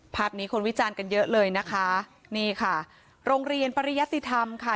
ภาพนี้คนวิจารณ์กันเยอะเลยนะคะนี่ค่ะโรงเรียนปริยติธรรมค่ะ